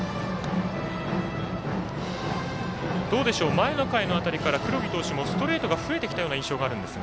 前の回から黒木投手もストレートが増えてきたような印象があるんですが。